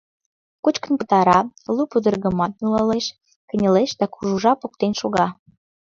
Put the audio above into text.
Кочкын пытара, лу пудыргымат нулалеш, кынелеш да кужу жап оптен шога.